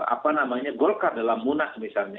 apa namanya golkar dalam munas misalnya